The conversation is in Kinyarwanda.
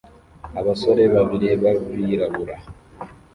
Abasore babiri b'abirabura